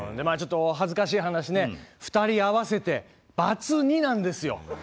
まあちょっとお恥ずかしい話ね２人合わせてバツ２なんですよ。